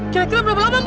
kira kira berapa lama mbak